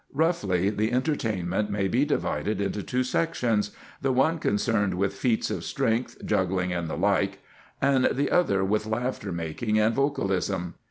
Roughly, the entertainment may be divided into two sections, the one concerned with feats of strength, juggling, and the like, and the other with laughter making and vocalism.